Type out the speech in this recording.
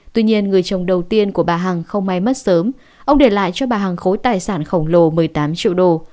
tuy nhiên người chồng đầu tiên của bà hằng không may mất sớm ông để lại cho bà hằng khối tài sản khổng lồ một mươi tám triệu đô